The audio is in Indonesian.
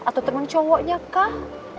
atau temen cowoknya kah